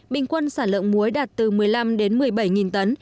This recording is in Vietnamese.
bình quân sản lượng mối đạt từ một mươi năm một mươi bảy nghìn tấn